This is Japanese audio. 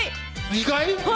意外？